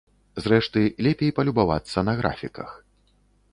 Зрэшты, лепей палюбавацца на графіках.